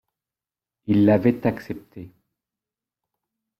Il l’avait accepté.